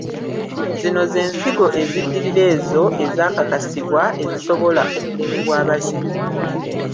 Zino ze nsigo eziddirira ezo ezaakakasibwa ezisobola okulimibwa abalimi.